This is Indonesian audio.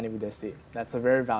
itu adalah pertanyaan yang sangat valid